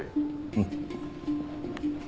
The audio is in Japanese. うん。